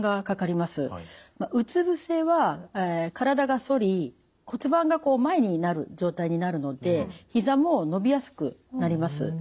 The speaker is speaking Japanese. うつ伏せは体が反り骨盤がこう前になる状態になるのでひざも伸びやすくなります。